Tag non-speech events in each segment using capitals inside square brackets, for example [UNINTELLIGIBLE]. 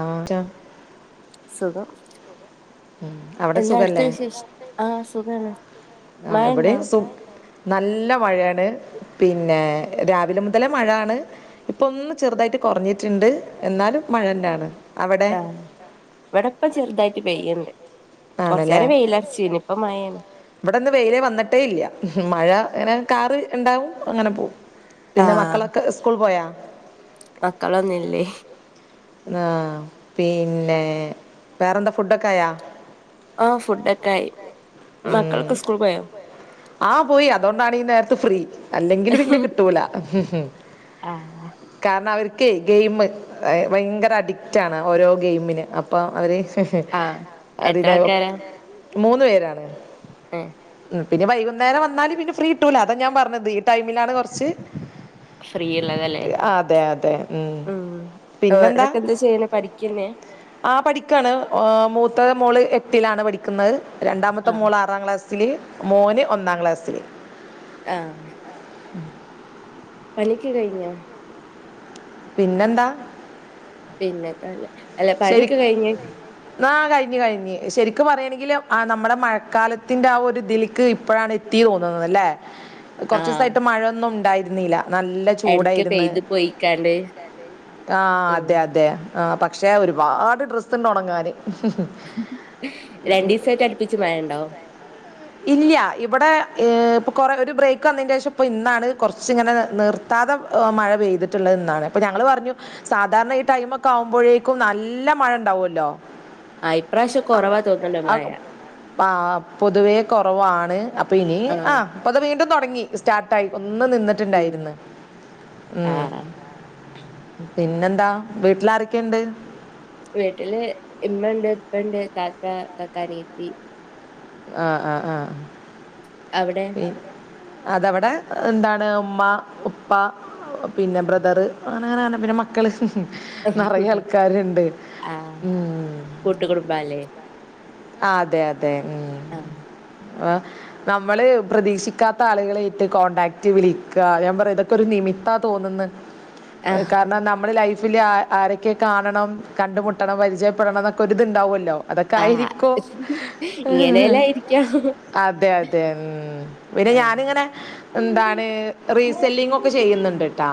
ആഹ് സുഖം ഉം അവിടെ എല്ലായിടത്തും സുഖല്ലേ വിശേ ആഹ് സുഖണ് ആഹ് ഇവിടെയും സു നല്ല മഴേണ് പിന്നെ രാവിലെ മുതലേ മഴാണ് ഇപ്പം ഒന്ന് ചെറുതായിട്ട് കുറഞ്ഞിട്ടുണ്ട് എന്നാലും മഴന്നാണ്. ആഹ് ഇവിടെപ്പം ചെറുതായിട്ട് പെയ്യ്ണ്ട് ആണല്ലേ കൊറച്ചേരം വെയിലർച്ചിനി. ഇപ്പൊ മഴേണ് ഇവിടെന്ന് വെയില് വന്നിട്ടേ ഇല്ല മഴ ഇങ്ങനെ കാറ് ഇണ്ടാവും അങ്ങനെ പോകും. പിന്നെ മക്കളൊക്കെ സ്കൂൾ പോയാ മക്കളൊന്നും ഇല്ല ആഹ് പിന്നെ വേറെന്താ ഫുഡൊക്കെ ആയാ ആഹ് ഫുഡൊക്കെ ആയി മക്കളൊക്കെ ഉം സ്കൂൾ പോയോ ആഹ് പോയി അതോണ്ടാണ് ഈ നേരത്ത് ഫ്രീ അല്ലെങ്കിൽ പിന്നെ കിട്ടൂല. ആഹ് കാരണം അവർക്ക് ഗെയിമ് ഭയങ്കര അഡിക്റ്റാണ് ഓരോ ഗെയിമിന് അപ്പം അവര് ആഹ് എത്ര അതിനകം ആൾക്കാരാ മൂന്ന് പേരാണ്. ഏഹ് പിന്നെ വൈകുന്നേരം വന്നാല് പിന്നെ ഫ്രീ കിട്ടൂല അതാ ഞാൻ പറഞ്ഞത് ഈ ടൈമിലാണ് കുറച്ച് ഫ്രീള്ളതല്ലേ അതെ അതെ ഉം ഓരോക്കെ എന്താ ചെയ്യുന്നേ പഠിക്കന്നേ? ആഹ് പഠിക്കാണ് മൂത്ത മോള് എട്ടിലാണ് പഠിക്കുന്നത് രണ്ടാമത്തെ ആഹ് മോൾ ആറാം ക്ലാസ് ൽ മോന് ഒന്നാം ക്ലാസ്സിൽ. ആഹ് ഉം പണിയൊക്കെ കഴിഞ്ഞോ പിന്നെന്താ? പിന്നെന്താ അല്ല പണിയൊക്കെ കഴിഞ്ഞോ ആഹ് കഴിഞ്ഞ് കഴിഞ്ഞു ശരിക്കും പറയാണെങ്കിൽ ആ നമ്മുടെ മഴക്കാലത്തിന്റെ ആ ഒരു ഇത്ൽക്ക് ഇപ്പോഴാണ് എ ത്തീ തോന്നുന്നല്ലേ? കുറച്ച് ആഹ് ദിവസായിട്ട് മഴൊന്നും ഉണ്ടായിരുന്നില്ല. നല്ല എടക്ക് ചൂടായിര്ന്ന് പെയ്ത് പോയിക്കാണ്ട് ആഹ് ഉം അതെ അതെ പക്ഷേ ഒരുപാട് ഡ്രസ്സ്ണ്ട് ഉണങ്ങാന്. രണ്ട് ദിവസായിട്ട് അടുപ്പിച് മഴണ്ടോ? ഇല്ല ഇവിടെ ഇപ്പൊ കുറേ ഒരു ബ്രേക്ക് വന്നയ്ന്റെഷം ഇപ്പം ഇന്നാണ് കുറച്ച് ഇങ്ങനെ നിർ സാധാ മഴ പെയ്തിട്ടുള്ളത് ഇന്നാണ് അപ്പൊ ഞങ്ങൾ പറഞ്ഞു സാധാരണ ഈ ടൈമൊക്കെ ആവുമ്പോഴേ ക്കും നല്ല മഴ ഉണ്ടാവല്ലോ. ആഹ് ഇപ്രാവശ്യം കൊറവാ തോന്നുന്നുണ്ട് മഴ ആഹ് പൊതുവേ കുറവാണ് അപ്പൊനി ആഹ് അപ്പത് വീണ്ടും തുടങ്ങി സ്റ്റാർട്ടായി ഒന്ന് ഉം നിന്നിട്ടുണ്ടായിര്ന്ന്. ഉം ആഹ് പിന്നെന്താ വീട്ടിലാരൊക്കെണ്ട്? വീട്ടില് ഇമ്മണ്ട് ഇപ്പണ്ട് താത്ത കാക്കാ അനിയത്തി. ആഹ് ആഹ് ആഹ് അവിടെ? പിന്നെ അതവിടെ എന്താണ് ഉമ്മ ഉപ്പ പിന്നെ ബ്രദർ അങ്ങനങ്ങനെ പിന്നെ മ മക്കള് നിറയെ ആൾക്കാരുണ്ട് ഉം കൂട്ടു കുടുംബാല്ലേ ആഹ് അതെ അതെ ഉം ആഹ് ആഹ് നമ്മള് പ്രതീക്ഷിക്കാത്ത ആളുകളായിട്ട് കോണ്ടാക്ട് വിളിക്കാ ഞാൻ പറയാ ഇതൊക്കെ ഒരു നിമിത്ത തോന്നുന്നത് ഏഹ് ആഹ് കാരണം ന മ്മളെ ലൈഫില് ആരൊക്കെ കാണണം കണ്ടുമുട്ടണം പരിചയപ്പെടണം എന്നൊക്കെ ഒരിത്ണ്ടാവോല്ലോ അതൊക്കൊയിരി ആഹ് ഇങ്ങനെല്ലാം ഇരിക്കാം അതെ അതെ ഉം പിന്നെ ആഹ് ഞാനിങ്ങനെ എന്താണ് റീസെല്ലിംഗ് ഒക്കെ ചെയ്യുന്നുണ്ട് ട്ടോ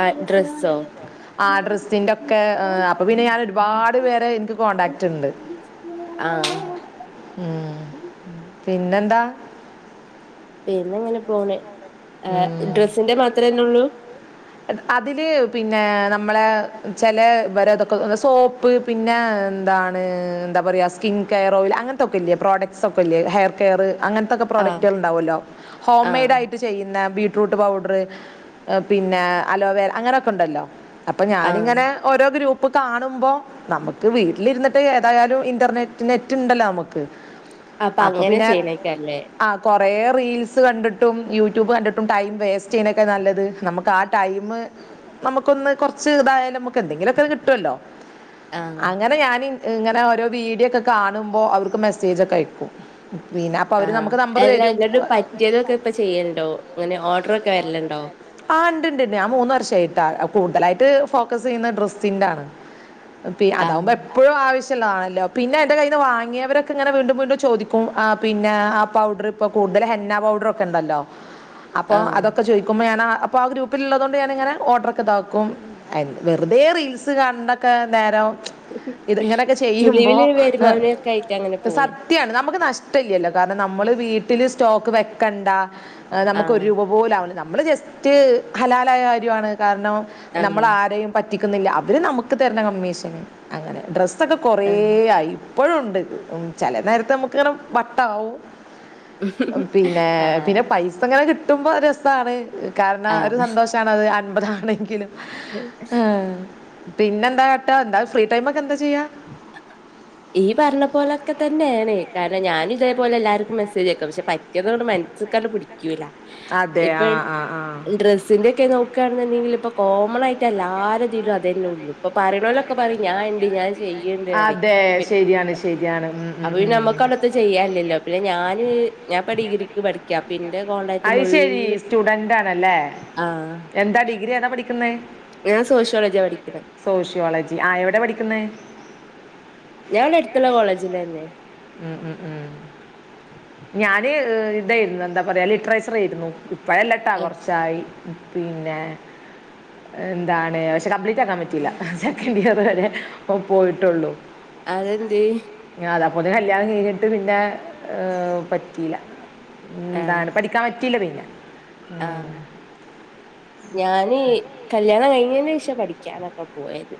ആഹ് ഡ്രെസ്സോ ആഹ് ഡ്രസ്സിന്റൊക്കെ ഏഹ് അപ്പൊ പിന്നെ ഞാൻ ഒരുപാട് പേരെ ഇൻക്ക് കോൺടാക്റ്റ് ഉണ്ട് ആഹ് ഉം പിന്നെന്താ പിന്നെങ്ങനെ പോണ് ആഹ് ഡ്രസ്സിന്റെ മാത്രന്നേ ഉള്ളൂ അതില് പിന്നെ നമ്മളെ ചെല ഇവരതൊക്കെ സോപ്പ് പിന്നെ എന്താണ് എന്താ പറയാ സ്കിൻ കെയർ ഓയിൽ അങ്ങനത്തെക്കെ ഇല്ലേ പ്രോഡക്റ്റ് സൊക്കല്ലേ ഹെയർ കെയർ അങ്ങനത്തെക്കെ ആഹ് പ്രോഡക്ടുകൾ ഉണ്ടാവോലോ ഹോം ആഹ് മെയ്ഡ് ആയിട്ട് ചെയ്യുന്ന ബീറ്റ്റൂട്ട് പൌഡർ ഏഹ് പി പിന്നെ അലോവർ അങ്ങനെയൊക്കെ ഉണ്ടല്ലോ അപ്പൊ ആഹ് ഞാനിങ്ങനെ ഓരോ ഗ്രൂപ്പ് കാണുമ്പോ നമുക്ക് വീട്ടിലിരുന്നിട്ട് ഏതായാലും ഇന്റർനെറ്റ് നെറ്റ് ഉണ്ടല്ലോ നമുക്ക് അപ്പൊ അങ്ങനെ ചെയ്യണേക്കാരല്ലേ ആഹ് കൊറേ റീൽസ് കണ്ടിട്ടും യൂട്യൂബ് കണ്ടിട്ടും ടൈം വേസ്റ്റ് ചെയ്യണേക്കാ നല്ലത് നമുക്ക് ആ ടൈമ് നമുക്കൊന്ന് കൊറച്ച് ഇതായാലും നമുക്ക് എന്തെങ്കിലൊക്കെ കിട്ടുല്ലോ ആഹ് അങ്ങനെ ഞാന് ഇങ്ങനെ ഓരോ വീഡിയോ ഒക്കെ കാണുമ്പോ അവർക്ക് മെസ്സേജൊക്കെ അയക്കും വിന ആഹ് അല്ല എന്നിട്ട് പറ്റിയതൊക്കെ ഇപ്പൊ ചെയ്യല്ണ്ടോ ഇങ്ങനെ ഓർഡറ് ഒക്കെ വരലുണ്ടോ ആ് ഉണ്ട് ഉണ്ട് ഞാൻ മൂന്ന് വർഷായിട്ടാ കൂടുതലായിട്ട് ഫോക്കസ് ചെയ്യുന്ന ഡ്രസ്സിന്റാണ് പി അതാവുമ്പ ആഹ് എപ്പ പ്പളും ആവശ്യള്ളതാണല്ലോ പിന്നെ എൻ്റെ കയ്യിൽ നിന്ന് വാങ്ങിയവരൊക്കെ ഇങ്ങനെ വീണ്ടും വീണ്ടും ചോദിക്കും ആ പിന്നെ ആ പൗഡർ ഒക്കെ കൂടുതൽ ഹന്നാ പൗഡറൊക്കെ ഉണ്ടല്ലോ അപ്പോ ആഹ്. അതൊക്കെ ചോയ്ക്കുമ്പോ ഞാനാ അപ്പോ ആ ഗ്രൂപ്പില് ഉള്ളത് കൊണ്ട് ഞാനങ്ങനെ ഓർഡറൊക്കെ ഇതാക്കും [UNINTELLIGIBLE] വെറുതെ റീൽസ് കണ്ടൊക്കെ നേരം ഇതിങ്ങനെയൊക്കെ ചെയ്യുമ്പോ ചുളിവില് വരുമാനൊക്കെ ആയിട്ട് അങ്ങനെ ഏഹ് സ പോണ്. ത്യാണ് നമുക്ക് നഷ്ടല്ലല്ലോ കാരണം നമ്മള് വീട്ടിൽ സ്റ്റോക്ക് വെക്കണ്ട നമുക്ക് ഒരു ആഹ് രൂ പ പോലും ആവില്ല നമ്മള് ജസ്റ്റ് ഹലാലായ കാര്യാണ് കാരണം ആഹ് നമ്മൾ ആരെയും പറ്റിക്കുന്നില്ല അവർ നമുക്ക് തരുന്ന കമ്മീഷന് അങ്ങനെ ഡ്രസ്സൊക്കെ കൊറേ ആഹ്. ആയി ഇപ്പഴും ഉണ്ട് ഉം ചില നേരത്ത് നമുക്ക് ഇങ്ങനെ വട്ട് ആവും പിന്നെ ആഹ് പിന്നെ പൈസ ഇങ്ങനെ കിട്ടുമ്പോ രസാണ് കാരണം ഒരു ആഹ്. സന്തോഷാണത് അൻപതാണെങ്കിലും ആഹ് പിന്നെ എന്താ കാട്ടാ എന്താ ഫ്രീ ടൈമ് ഒക്കെ എന്താ ചെയ്യാ ഈ പറഞ്ഞ പോലൊക്കെ തന്നെയാണ് കാരണം ഞാനും ഇതേപോലെ എല്ലാർക്കും മെസ്സേജ് അയക്കും പക്ഷെ പറ്റിയതണ്ട് മ നസ്സ്ക്കണ്ട് പിടിക്കൂല അതെ ഇപ്പൊ ആ ആ ആ ഡ്രസ്സിന്റെ ഒക്കെ നോ ക്കാണ്ന്നുണ്ടെങ്കിൽ ഇപ്പൊ കോമണായിട്ട് എല്ലാരെ ഇതിലും അതന്നെ ഉള്ളൂ ഇപ്പ പറയ്‌ണോലൊക്ക പറയും ഞാൻ ഇണ്ട് ഞാൻ ചെയ്യ്ണ്ട് പറയും അതെ ശരിയാണ് ശരിയാണ് ഉം ഉം. ഉം ചെയ്യാല്ല്യല്ലോ പിന്നെ ഞാന് ഞാ ഇപ്പ ഡിഗ്രിക്ക് പഠിക്ക്യ പ്പിന്റെ കോളേജ് അത് ശരി മുള്ള് സ്റ്റുഡൻ്റ് ആണല്ലേ ആഹ് എന്താ ഡിഗ്രി ഏതാ പഠിക്കുന്നെ ഞാൻ സോഷ്യോളജിയ പഠിക്ക്ണെ സോഷ്യോളജി ആ എവടെ പഠിക്കുന്നെ ഞാൻ ഇവടെ എട്‌ത്ത്ള്ള കോളേജിലന്നെ ഉം ഉം ഉം ഞാന് ഇതെയിരുന്നു എന്താ പറയാ ലിറ്ററേച്ചർ ആയിരുന്നു ഇപ്പഴല്ലട്ടാ കൊർച് ച്ചായി പിന്നെ എന്താണ് പക്ഷെ കപ്ലീറ്റ് ആക്കാൻ പ റ്റീല സെക്കൻഡ് ഇയറ് വരെ പോയിട്ടോള്ളു അതന്തേ അതാ അപ്പൊത്ത്ന് കല്യാണം കഴിഞ്ഞിട്ട് പിന്നെ പറ്റീല ആഹ് ന്താണ് പഠി ക്കാറ്റില പിന്നെ ഉം. ആഹ് ഞാന് കല്യാണം കഴിഞ്ഞെനെഷ പഠിക്ക്യാനൊക്ക പോയത്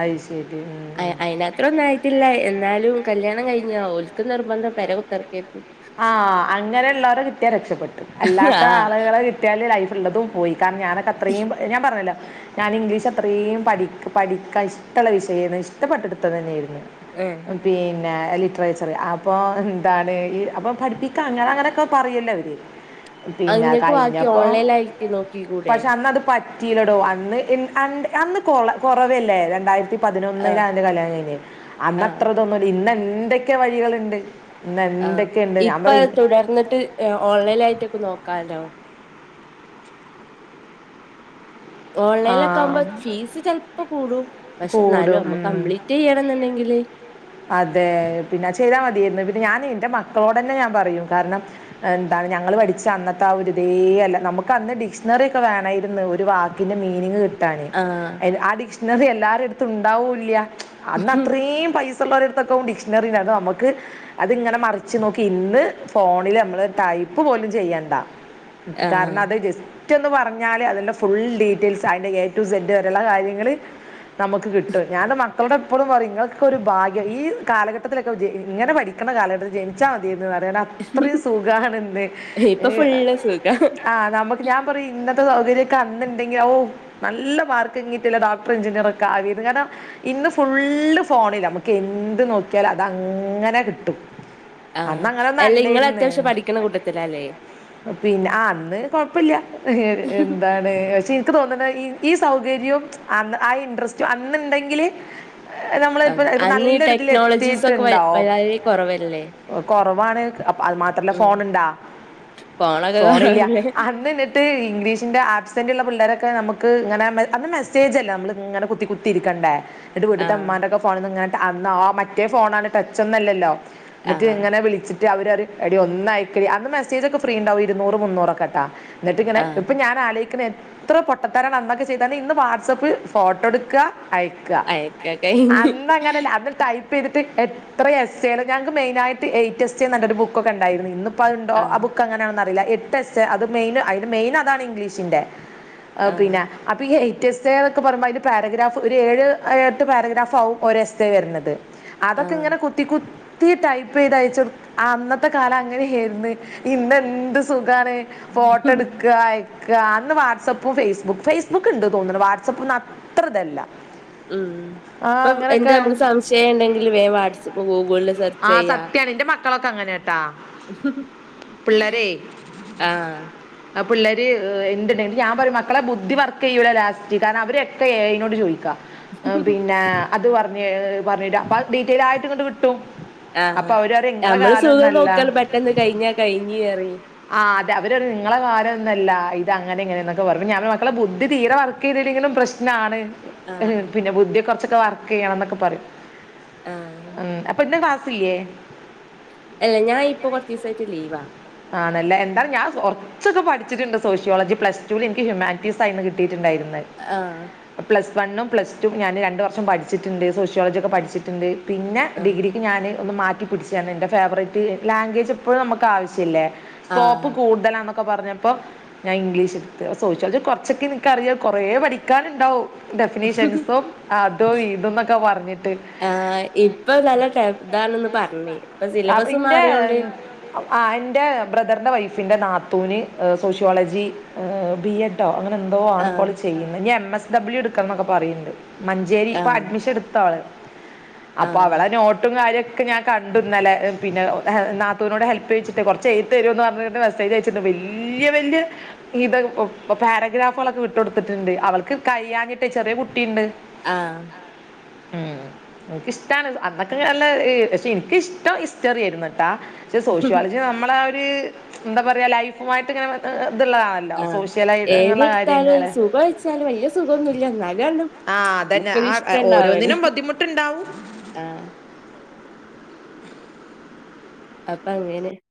അയ് ശെരി ആ ആ അത്രന്ന് ആയിട്ടില്ല എന്നാലും കല്യാണം കഴിഞ്ഞ ഓൽക്ക് നിർബന്ധം പെരേ കുത്തർക്കെക്കു ആഹ് അങ്ങനെ ഇള്ളോലെ കിട്ടിയാ രക്ഷപ്പെട്ട് അല്ലാത്ത ആഹ് ആള്കളെ കിട്ടിയാല് ലൈഫ് ഇള്ളതും പോയി കാര്ണം ഞാനൊക്ക അത്രേം ഞാൻ പർഞ്ഞല്ലോ ഞാന് ഇംഗ്ലീഷ് അത്രേം പഠി പഠിക്കാൻ ഇഷ്ടള്ള വിഷയേര്ന്ന് ഇഷ്ടപ്പെട്ടിട്ട് ഇട്‌ത്തത് തന്നെയിര്ന്ന് ഏഹ് പിന്നെ ലിറ്ററേച്ചറ് അപ്പോ ന്താണ് ഇ അപ്പൊ പഠിപ്പിക്കാ അങ്ങന അങ്ങനെക്കെ പറയല്ലോ അവര് പിന്നെ ഇങ്ങക്ക് ബാക്കി കഴിഞ്ഞപ്പൊ ഓൺലൈനായിട്ട് നോക്കിക്കൂടെ പക്ഷെ അന്ന് അത് പ റ്റീലടോ അന്ന് ഇ അ അന്ന് കൊള കൊറവല്ലേ രണ്ടായിര്ത്തി ആഹ് പതിനൊന്നില ഇന്റെ കല്യാണം കഴിഞ്ഞെ ആഹ് അന്നത്ര ഇതോന്നുല്ല ഇന്ന് എന്തേക്കെ വഴികള്ണ്ട് ഇന്ന് എന്തേ ആഹ് ഇപ്പ തുടർന്ന്ട്ട് ഓൺലൈല് ആയിട്ടൊക്കെ നോക്കാലോ ആ ഓൺലൈല് ഒക്ക ആവുമ്പോ ഫീസ് ചെൽപ്പ കൂടും പക്ഷെ ന്നാലും കൂടും നമ്മക്ക് കംപ്ലീ ഉം റ്റ് ചെയ്യണന്ന്ണ്ടെങ്കില് അതെ പിന്നെ ചെയ്താ മതിയെര്ന്നു പിന്നെ ഞാന് ഇൻ്റെ മക്കളോടന്നെ ഞാൻ പറയും കാര്ണം എന്താണ് ഞങ്ങള് പഠിച്ച അന്നത്തെ ആ ഒരു ഇതേ അല്ല നമുക്ക് അന്ന് ഡിക്ഷണറി ഒക്കെ വേണായിരുന്നു ഒരു വാ ക്കിൻ്റെ മീനിങ് കി ട്ടാന് ആഹ് ആ ഡിക്ഷണറി എല്ലാരെട്‌ത്തു ഇണ്ടാവുല്ല്യ അന്ന് അത്രേം പൈ സ ഇള്ളോരെട്‌ത്തൊക്കെ ആവും ഡിക്ഷണറി ഇണ്ടാവ അത് നമ്മക്ക് അത് ഇങ്ങനെ മറിച്ച് നോക്കി ഇന്ന് ഫോണില് നമ്മള് ടൈപ്പ് പോലും ചെയ്യണ്ട കാര്ണ ആഹ് അത് ജസ് റ്റൊന്ന് പർഞ്ഞാല് അതിൻ്റെ ഫുൾ ഡീറ്റെയിൽസ് അയിൻ്റെ എ ടു [UNINTELLIGIBLE] വരെള്ള കാര്യങ്ങള് നമുക്ക് കിട്ടും ഞാന്റെ മക്കളോട് എപ്പളും പറയും ഇങ്ങളോക്കെ ഒരു ഭാ ഗ്യ ഈ കാലഘട്ടത്തിലൊക്കെ ഇങ്ങനെ പഠിക്ക്ണ കാലഘട്ടത്തിൽ ജനിച്ചാ മതിയെര്ന്ന് പറലാ അത്രീം സുഖാണ് ഇന്ന് ഇപ്പൊ ഫുള്ള് സുഖാ ആ നമു ഞാൻ പറയും ഇന്നത്തെ സൗകര്യം ഒക്ക അന്ന് ഇണ്ടെങ്കി അവൂ നല്ല മാർക്ക് എങ്ങീട്ടില്ല ഡോക്ടർ എഞ്ചിനിയറ് ഒക്ക ആകെര്ന്ന് കാര്ണം ഇന്ന് ഫുള്ള് ഫോണില ക്കെ എന്ത് നോക്കിയാല് അത് അങ്ങനെ കിട്ടും ആ അന്ന് അങ്ങനെ ഒന്നും അല്ല ഇങ്ങള് അല്ലായിരുന്നു അത്യാവശ്യം പഠിക്കണ കൂട്ടത്തിലാ അല്ലേ പിന്നെ ആ അന്ന് കൊഴപ്പില്ലാ എന്താ ണ് പക്ഷെ എനിക്കുതോന്നണെ ഈ സൗകര്യവും അന്ന് ആ ഇൻട്രസ്റ്റും അന്നുണ്ടെങ്കില്. ആഹ് നമ്മളിപ്പം ഇപ്പ അന്ന് ഈ നല്ലൊരിതില് ടെക്നോളജീസ് ഒക്കെ വ- എത്തിട്ടൊണ്ടാവും. വളരെ കൊറവല്ലേ കൊറവാണ് അപ്പ അത് മാത്രല്ല ഉം ഫോണിണ്ടാ ഫോണൊക്കെ ഫോണില്ലൃ കൊറവല്ലേ അന്ന് നെ റ്റ് ഇംഗ്ലീഷിന്റെ ആബ്സെന്റൊള്ള പിള്ളേരൊക്കെ നമുക്ക് ഇങ്ങനെ മെ അന്ന് മെസ്സേജല്ലാ നമ്മളിങ്ങനെ കുത്തികു ത്തിരിക്കണ്ടേ എന്നിട്ട് വീട്ടിത്തെ ആഹ് ഇമ്മാന്റൊക്കെ ഫോണിന്ന് ഇങ്ങോട്ട് അന്നോ മറ്റേ ഫോണാണ് ടച്ചൊന്നല്ലല്ലോ എന്നിട്ട് ആഹ് ഇങ്ങനെ വിളിച്ചി ട്ട് അവരത്‌ എടി ഒന്ന് അയക്കെടി അന്ന് മെസേജൊക്കെ ഫ്രീയുണ്ടാവും ഇരൂനൂറ് മുന്നൂറൊക്കെട്ടാ. എന്നിട്ടിങ്ങനെ ആഹ് ഇപ്പം ഞാന് ആലോയിക്കണെ ഇത്ര പൊട്ടത്തരങ്ങള് അന്നൊക്കെ ചെയ്താലും ഇന്ന് വാട്സ്സപ്പ് ഫോട്ടോഎടുക്കുക അയ അയക്കാ കഴിഞ്ഞ്. അത് ടൈപ്പുചെയ്തിട്ട് എത്ര എസ്സെയാണ് ഞങ്ങക്ക് മെയിനായിട്ട് എയ്റ്റ് എസ്സേ പറഞ്ഞിട്ടൊരു ബുക്കൊക്കെ ഒണ്ടായിരുന്നു ഇന്നി പ്പൊ അതുണ്ടോ ആ ആഹ് ബുക്ക് എങ്ങനാണെന്ന് അറിയില്ല എട്ട് എസ്സേ അത് മെയിൻ അയ്ല് മെയിന് അതാണ് ഇംഗ്ലീഷിൻ്റെ ഔ ആഹ് പിന്നാ അപ്പൊ ഈ എയ്റ്റ് എസ്സേ എന്നൊക്കെ പറയുമ്പൊ അയിന്റെ പാരഗ്രാഫ് ഒരു ഏഴ് എട്ട് പാരഗ്രാഫാവും ഒര് എസ്സ് സേ വരണത് അതൊക്കെ ആഹ് ഇങ്ങനെ കു ത്തി കുത്തി ടൈപ്പു ചെയ്ത് അയച്ചുകൊടുക്കും അന്നത്തെ കാലം അങ്ങനെയേരുന്നു. ഇന്നെന്തു സുഖാണ് ഫോട്ടോ എടുക്കാ അയ ക്കാ അന്ന് വാട്സ്സപ്പും ഫേസ്ബുക്ക് ഫേസ്ബുക്കൊണ്ടെന്നു തോന്നണു വാട്സപ്പ് ഒന്ന് അത്ര ഇതല്ലാ ഉം ഇപ്പൊ എന്ത് നമുക്ക് സംശയം ഉണ്ടെങ്കിലും വേഗം വാട്സപ്പ് ഗൂഗിളില് സെർച്ച് ആ ചെയ്യാം. സത്യാണ് എന്റെ മക്കളൊക്കെ അങ്ങനെയാട്ടാ പിള്ളേരെ ആഹ് ആ പിള്ളേര് എന്തുണ്ടേലും ഞാൻപറയും മക്കളെ ബുദ്ധി വർക്കുചെയ്യുല്ല ലാസ്റ്റ് കാരണം അവരെക്കെ എ ഐ നോട് ചോയിക്കാ. ആ പിന്നെ അതുപറഞ്ഞ് പറഞ്ഞെരും അപ്പ അത്‌ ഡീറ്റെലായിട്ട് ഇങ്ങട് കിട്ടും. അപ്പൊ ആഹാ അവര് പറയും നിങ്ങളെ ഞമ്മള് കാലം സുഖം ഒന്നല്ല നോക്കല് പെട്ടെന്നുകഴിഞ്ഞാ കഴിഞ്ഞുകേറി ആഹ് അതെ അവര് പറഞു നിങ്ങളെ കാരം ഒന്നല്ല ഇത് അങ്ങനെ ഇങ്ങനെയെന്നൊക്കെ പറഞ്ഞ് ഞാൻ മക്കളെ ബുദ്ധി തീരെ വർ ക്ക് ചെയ്തില്ലെങ്കിലും പ്രശ്നാണ്. ഇഹ് ആഹ് പിന്നെ ബുദ്ധി കൊറച്ചൊക്കെ വർക്കെയ്യണം എന്നൊക്കെ പറയും ആഹ് ഉം അപ്പൊ ഇന്ന് ക്ലാസി സില്ലേ. അല്ല ഞാനിപ്പൊ കൊറച്ചീസായിട്ട് ലീവാ. ആണല്ലേ എന്താണ് ഞാൻ കൊറ ച്ചൊക്കെ പഠിച്ചിട്ടുണ്ട് സോഷ്യോളജി പ്ലസ്ടൂല് എനിക്ക് ഹ്യൂമാനിറ്റീസായിരുന്നു കിട്ടിട്ടൊണ്ടായിരുന്നെ ആഹ് പ്ലസ് വണ്ണും പ്ലസ്ടുവും ഞാന് രണ്ടുവർഷം പഠിച്ചിട്ടൊണ്ട് സോഷ്യോളജിയൊക്കെ പഠിച്ചിട്ടൊണ്ട്. പിന്നെ ആഹ് ഡിഗ്രിക്ക് ഞാന് ഒന്ന് മാറ്റി പിടിച്ചയാണ് എൻ്റെ ഫേവറേറ്റ് ലാംഗ്വേജ് എപ്പഴും നമുക്ക് ആവി ശ്യല്ലേ സ്കോപ്പ് ആഹ് കൂടുതലാന്നൊ ക്കെ പറഞ്ഞപ്പോ ഞാൻ ഇംഗ്ലീഷ് എടുത്ത് സോഷ്യോളജി കൊറച്ചൊക്കെ എനിക്കറിയാം കൊറേ പഠിക്കാനുണ്ടാവും. ഡെഫിനീഷ്യൻസോ അതോ ഇതൊന്നൊക്കെ പറഞ്ഞിട്ട്. ആ ഇപ്പൊ നല്ല ടഫ് ഇതാണെന്ന് പറഞ്ഞി ഇപ്പ അപ്പൊ സിലബസ് എൻ്റെ മാറിയോണ്ട്. ആ എന്റെ ബ്രദറിന്റെ വൈഫിന്റെ നാത്തൂന് എ സോഷ്യോളജി ബി എഡ്‌ ട്ടോ അങ്ങനെന്തോ ആണിപ്പോ ആഹ് അവളുചെയ്യുന്നെ ഇനി എം എസ് ഡബ്ല്യു എടുക്കണന്നൊക്കെ പറയണ്ട്. മഞ്ചേരി ഇപ്പ ആഹ് അഡ്മിഷൻ എടുത്തൊ അവള് അപ്പ ആഹ് അവളെ നോട്ടും കാര്യക്കെ ഞാൻ കണ് ണ്ടു ഇന്നലെ പിന്നെ ഹെ നാത്തൂനോട് ഹെൽപ്പ്‌ ചോയ്ച്ചിട്ടെ കൊറച്ച് എഴുതിത്തരോന്ന് പറഞ്ഞിട്ട് മെസ്സേജ് അയച്ചി ട്ടുണ്ട് വെല്യ വെല്യ ഇത് പാരഗ്രാഫുകളൊക്കെ വിട്ടൊടുത്തിട്ടുണ്ട് അവൾക്ക് കഴിയാഞ്ഞിട്ട് ചെറിയ കുട്ടീണ്ട്. ആഹ് എന്ക്കിഷ്ടാണ് അന്നൊക്ക നല്ല ഇഹ് പക്ഷേ ഇൻ ക്കിഷ്ടം ഹിസ്റ്ററി ആയിരുന്നുട്ടാ പക്ഷെ സോഷ്യോളജി നമ്മള് ര് എന്താ പറയ ലൈഫുമായിട്ട് ഇങ്ങനെ ഇഹ് ഇഹ് ഇതുള്ളതാണ് ആഹ് ഏതെടുത്താല് സുഖം ഒഴിച്ചാല് വല്യ സുഖഒന്നുല്ല എന്നാലുങ്ങട് ആഹ് അതന്നെ ആഹ് ഓരോന്നിനും ബുദ്ധിമുട്ടുണ്ടാവും ആഹ് അപ്പ അങ്ങനെ